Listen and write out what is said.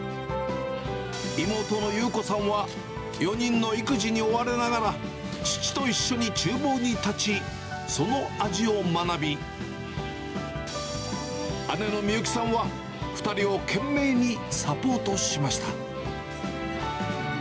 妹のゆう子さんは、４人の育児に追われながら、父と一緒にちゅう房に立ち、その味を学び、姉の己幸さんは、２人を懸命にサポートしました。